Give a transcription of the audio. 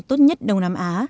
tốt nhất và tốt nhất